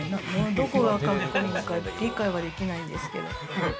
どこが格好いいんだか理解ができないんですけど。